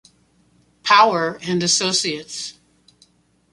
Power and Associates.